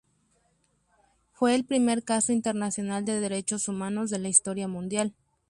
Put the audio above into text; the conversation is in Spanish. Fue el primer caso internacional de Derechos Humanos de la historia mundial.